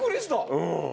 うん。